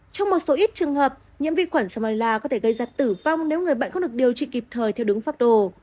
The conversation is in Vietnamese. trong một số ít trường hợp nhiễm vi khuẩn smollah có thể gây ra tử vong nếu người bệnh không được điều trị kịp thời theo đúng pháp đồ